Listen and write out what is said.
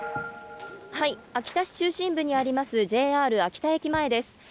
秋田市中心部にあります、ＪＲ秋田駅前です。